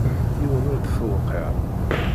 Yiwen ur t-tewqiɛ.